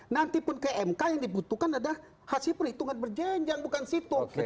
nanti pun ke mk yang dibutuhkan adalah hasil perhitungan berjenjang bukan situng